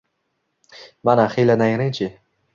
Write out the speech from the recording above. Mana, hiyla-nayrangchi